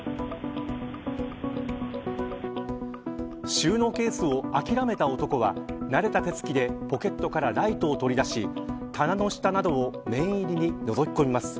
収納ケースを諦めた男は慣れた手つきでポケットからライトを取り出し棚の下などを念入りにのぞき込みます。